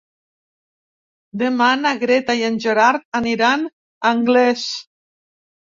Demà na Greta i en Gerard aniran a Anglès.